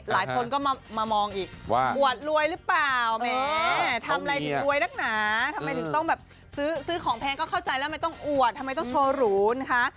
ถึงต้องซื้อของแพงก็เข้าใจแล้วไม่ต้องอวดทำไมต้องโชว์หลุนคะ